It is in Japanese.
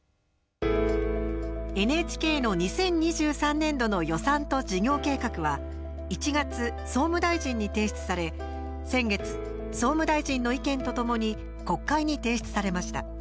ＮＨＫの２０２３年度の予算と事業計画は１月、総務大臣に提出され先月、総務大臣の意見とともに国会に提出されました。